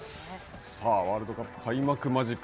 さあワールドカップ開幕間近。